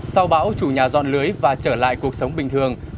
sau bão chủ nhà dọn lưới và trở lại cuộc sống bình thường